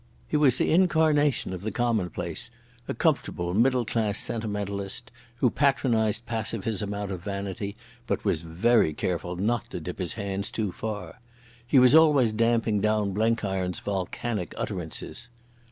He was the incarnation of the commonplace, a comfortable middle class sentimentalist, who patronised pacificism out of vanity, but was very careful not to dip his hands too far. He was always damping down Blenkiron's volcanic utterances.